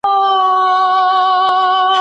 د جګړې پر مهال د هغه هره پرېکړه مهمه وه.